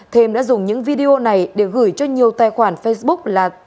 thêm đã dùng những video này để gửi cho nhiều tài khoản facebook là